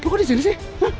kok lo disini sih